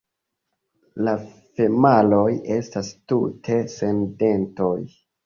La femaloj estas tute sen dentoj.